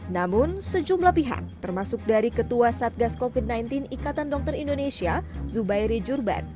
namun sejumlah pihak termasuk dari ketua satgas covid sembilan belas ikatan dokter indonesia zubairi jurban